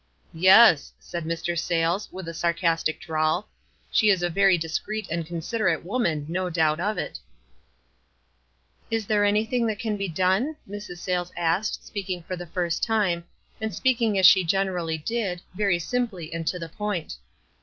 "Yes!" said Mr. Sayles, with a sarcastic drawl ;" she is a very discreet and considerate woman, no r?nr?V>t of H " 248 WISE AND OTHERWISE. "Is there nothing that can be done?" Mrs. Sa}*les asked, speaking for the first time, and speaking as she generally did, very simply and to the point.